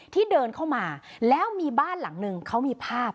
ที่เดินเข้ามาแล้วมีบ้านหลังนึงเขามีภาพ